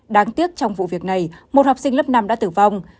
đáng tiếc trong vụ việc này một học sinh lớp năm đã tử vong